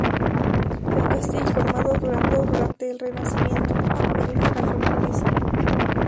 El castillo fue transformado durante el Renacimiento en una magnífica fortaleza.